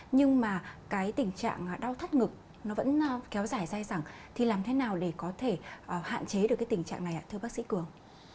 nhưng mà cái tình trạng đau thắt ngực nó vẫn kéo dài dài dẳng thì làm thế nào để có thể hạn chế được cái tình trạng này ạ thưa bác sĩ cường